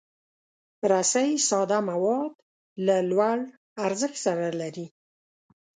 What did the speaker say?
رسۍ ساده مواد له لوړ ارزښت سره لري.